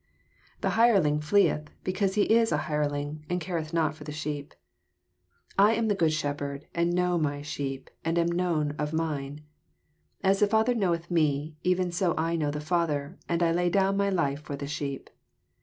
13 The hireling fleeth, beoansehe is an hireling, and oareth not for the sheop. 14 I am the good shepherd, and know my thegt, and am known of mine« 15 As the Father knoweth me, even so know I the Father: and I lay down my life for the sheep.